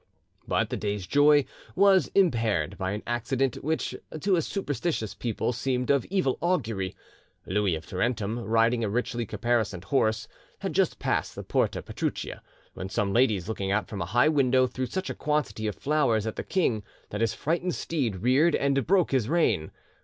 But the day's joy was impaired by an accident which to a superstitious people seemed of evil augury. Louis of Tarentum, riding a richly caparisoned horse, had just passed the Porta Petruccia, when some ladies looking out from a high window threw such a quantity of flowers at the king that his frightened steed reared and broke his rein.